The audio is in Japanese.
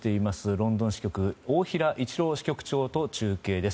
ロンドン支局、大平一郎支局長と中継です。